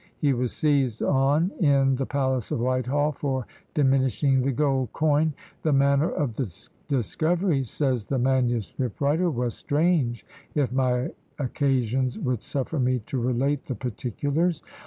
He was seized on in the palace of Whitehall, for diminishing the gold coin. "The manner of the discovery," says the manuscript writer, "was strange, if my occasions would suffer me to relate the particulars."